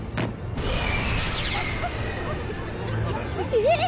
えっ！